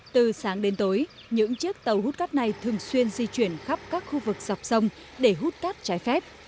từ sáng đến tối những chiếc tàu hút cát này thường xuyên di chuyển khắp các khu vực dọc sông để hút cát trái phép